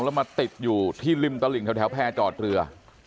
แล้วมาติดอยู่ที่ริมตลิ่งแถวแพร่จอดเรือ